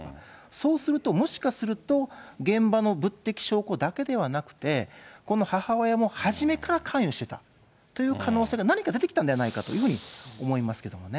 そうすると、もしかすると現場の物的証拠だけではなくて、この母親も初めから関与してたという可能性が何か出てきたんではないかというふうに思いますけどもね。